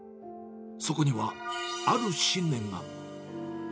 そこにはある信念が。